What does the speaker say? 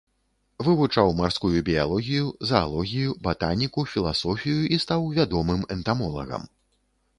Вывучаў марскую біялогію, заалогію, батаніку, філасофію і стаў вядомым энтамолагам.